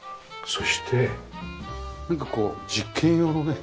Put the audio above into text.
そしてなんかこう実験用のね。